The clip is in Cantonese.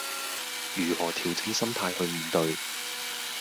如何調整心態去面對